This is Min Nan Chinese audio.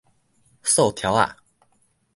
溯柱仔